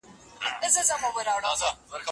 هغه هنر چې په ټولنه کې دی ارزښت لري.